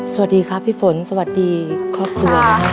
สวัสดีครับพี่ฝนสวัสดีครอบครัว